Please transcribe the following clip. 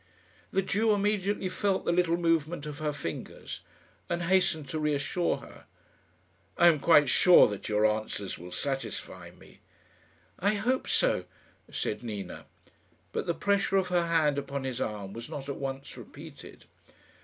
The Jew immediately felt the little movement of her fingers, and hastened to reassure her. "I am quite sure that your answers will satisfy me." "I hope so," said Nina. But the pressure of her hand upon his arm was not at once repeated.